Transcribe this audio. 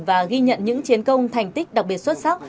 và ghi nhận những chiến công thành tích đặc biệt xuất sắc